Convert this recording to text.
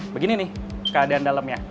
begini nih keadaan dalamnya